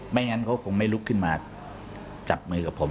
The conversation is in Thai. ไม่งั้นเขาคงไม่ลุกขึ้นมาจับมือกับผม